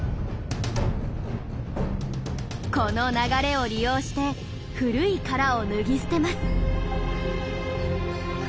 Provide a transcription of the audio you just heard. この流れを利用して古い殻を脱ぎ捨てます。